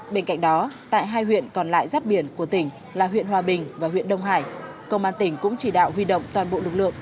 bên cạnh đó tại hai huyện còn lại giáp biển của tỉnh là huyện hòa bình và huyện đông hải công an tỉnh cũng chỉ đạo huy động toàn bộ lực lượng